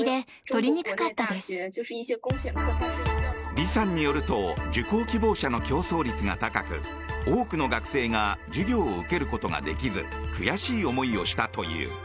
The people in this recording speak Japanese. リさんによると受講希望者の競争率が高く多くの学生が授業を受けることができず悔しい思いをしたという。